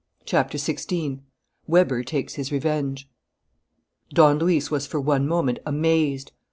CHAPTER SIXTEEN WEBER TAKES HIS REVENGE Don Luis was for one moment amazed.